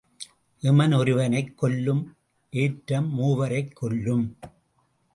எமன் ஒருவனைக் கொல்லும் ஏற்றம் மூவரைக் கொல்லும்.